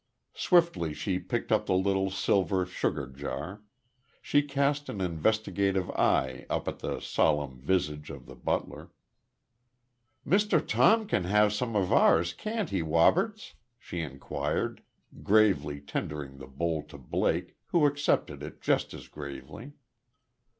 Swiftly she picked up the little silver sugar jar; she cast an investigative eye up at the solemn visage of the butler. "Mr. Tom can have some of ours, can't he, Woberts?" she inquired, gravely tendering the bowl to Blake, who accepted it just as gravely.